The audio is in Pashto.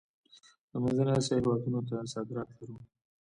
د منځنۍ اسیا هیوادونو ته صادرات لرو؟